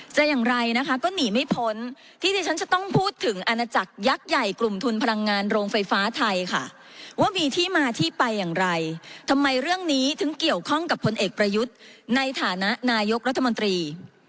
อย่างไรนะคะก็หนีไม่พ้นที่ที่ฉันจะต้องพูดถึงอาณาจักรยักษ์ใหญ่กลุ่มทุนพลังงานโรงไฟฟ้าไทยค่ะว่ามีที่มาที่ไปอย่างไรทำไมเรื่องนี้ถึงเกี่ยวข้องกับพลเอกประยุทธ์ในฐานะนายกรัฐมนตรี